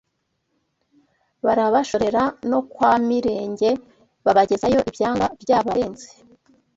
Barabashorera no kwa Mirenge babagezayo ibyanga byabarenze